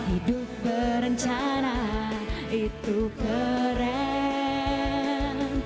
hidup berencana itu keren